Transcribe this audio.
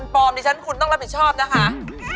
พี่ทัพต้องมาชิมด้วยค่ะ